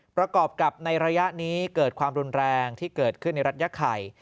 ประกอบกับในระยะนี้เกิดความรุนแรงที่เกิดขึ้นในรัฐยาไข่